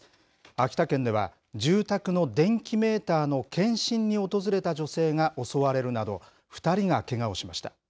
秋田県では住宅の電気メーターの検針に訪れた女性が襲われるなど、２人がけがをしました。